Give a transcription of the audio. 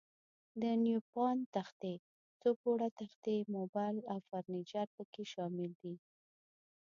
د نیوپان تختې، څو پوړه تختې، موبل او فرنیچر پکې شامل دي.